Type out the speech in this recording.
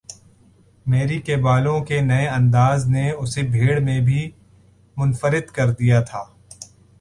میری کے بالوں کے نئے انداز نے اسے بھیڑ میں بھی منفرد کر دیا تھا۔